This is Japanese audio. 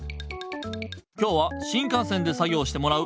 今日は新かん線で作ぎょうしてもらう。